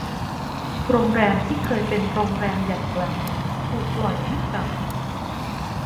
โรงแรมที่เคยเป็นโรงแรมใหญ่กลางเมืองถูกปล่อยให้เก่า